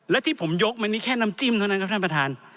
และที่ผมยกมานี่แค่น้ำจิ้มเท่านั้นครับท่านประธาน